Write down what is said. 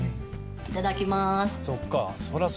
いただきます。